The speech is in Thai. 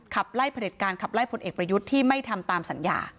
ขับไล่ผลเอกประยุทธ์ที่ไม่ทำตามสัญญา